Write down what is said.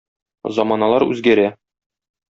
Заманалар үзгәрә.